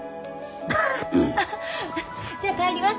じゃあ帰ります。